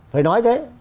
phải nói thế